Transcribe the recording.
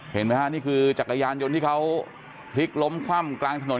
เห็นไหมฮะนี่คือจักรยานยนต์ที่เขาพลิกล้มคว่ำกลางถนน